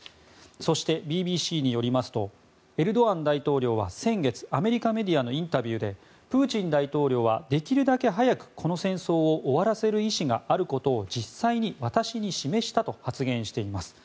そして、ＢＢＣによりますとエルドアン大統領は先月アメリカメディアのインタビューでプーチン大統領はできるだけ早くこの戦争を終わらせる意思があることを実際に私に示したと発言しています。